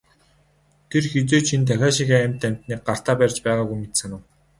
Тэр хэзээ ч энэ тахиа шигээ амьд амьтныг гартаа барьж байгаагүй мэт санав.